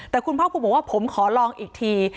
แต่คุณภาคภูมิบอกว่าผมขอลองอีกที